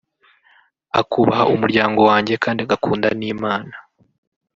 akubaha umuryango wanjye kandi agakunda n’Imana